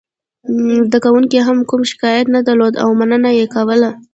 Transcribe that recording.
زده کوونکو هم کوم شکایت نه درلود او مننه یې کوله.